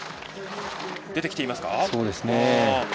出てきていますね。